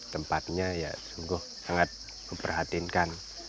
tempatnya ya sungguh sangat memperhatinkan